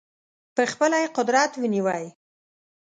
په خپله یې قدرت ونیوی.